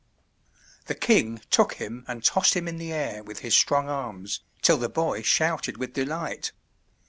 The king took him and tossed him in the air with his strong arms, till the boy shouted with delight.